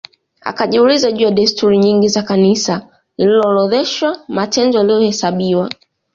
Akajiuliza juu ya desturi nyingi za Kanisa lililoorodhesha matendo yaliyohesabiwa